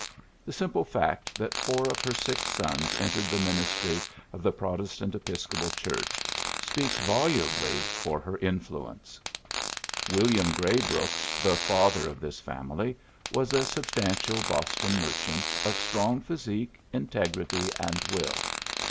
The simple fact that four of her six sons entered the ministry of the Protestant Episcopal Church speaks volubly for her influence. r 8 PHILLIPS BEOOKS "William Gray Brooks, tlie father of this family, was a substantial Boston mer chant, of strong physique, integrity, and will.